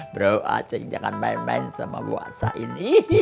bro acek jangan main main sama wak sain